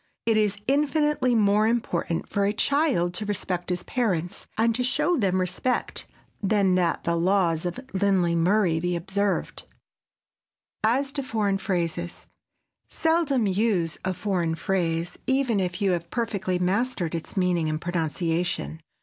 It is infinitely more important for a child to respect his parents and to show them respect than that the laws of Lindley Murray be observed. [Sidenote: AS TO FOREIGN PHRASES] Seldom use a foreign phrase even if you have perfectly mastered its meaning and pronunciation.